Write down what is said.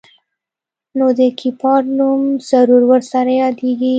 نو د کيپات نوم ضرور ورسره يادېږي.